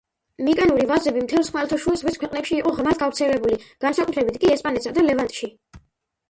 მიკენური ვაზები მთელს ხმელთაშუა ზღვის ქვეყნებში იყო ღრმად გავრცელებული, განსაკუთრებით კი ესპანეთსა და ლევანტში.